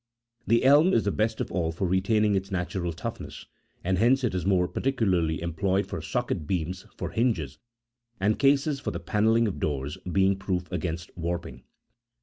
The elm is the best of all for retaining its natural toughness, and hence it is more particularly employed for socket beams for hinges, and cases for the pannelling of doors, being proof against warping.